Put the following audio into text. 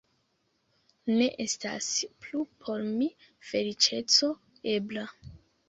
Ne estas plu por mi feliĉeco ebla.